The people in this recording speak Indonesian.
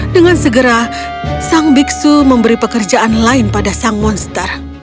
dengan segera sang biksu memberi pekerjaan lain pada sang monster